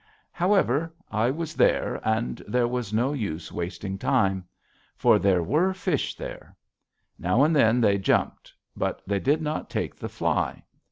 However, I was there, and there was no use wasting time. For there were fish there. Now and then they jumped. But they did not take the fly.